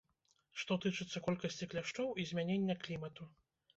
Што тычыцца колькасці кляшчоў і змянення клімату.